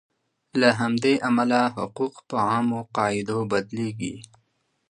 له همدې امله حقوق په عامو قاعدو بدلیږي.